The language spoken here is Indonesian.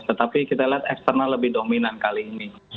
tetapi kita lihat eksternal lebih dominan kali ini